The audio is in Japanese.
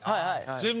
全部？